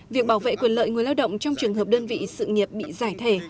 việc bảo vệ quyền lợi người lao động trong trường hợp đơn vị sự nghiệp bị giải thể